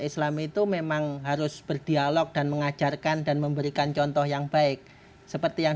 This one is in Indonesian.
islam itu memang harus berdialog dan mengajarkan dan memberikan contoh yang baik seperti yang